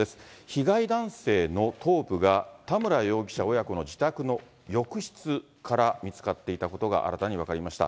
被害男性の頭部が田村容疑者親子の自宅の浴室から見つかっていたことが新たに分かりました。